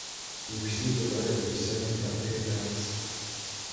We received a letter discerning the unpaid balance.